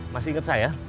masih inget saya